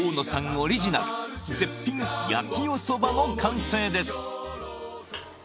オリジナル絶品焼きおそばの完成です